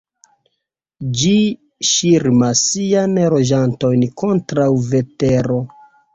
Ĝi ŝirmas siajn loĝantojn kontraŭ vetero.